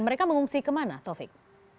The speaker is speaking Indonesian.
mereka mengungsi kemana taufik